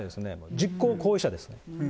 実行行為者です。